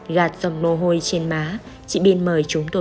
gạt dòng nô hôi trên má chị pin mời chúng